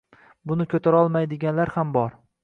Buni ko‘tarolmaydiganlar ham bor.